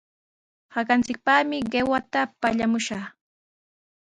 Hakanchikpaqmi qiwata pallamushqaa.